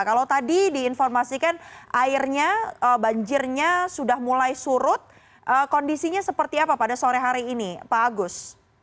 kalau tadi diinformasikan airnya banjirnya sudah mulai surut kondisinya seperti apa pada sore hari ini pak agus